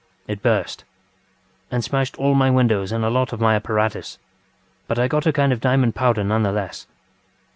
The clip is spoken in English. It burst, and smashed all my windows and a lot of my apparatus; but I got a kind of diamond powder nevertheless.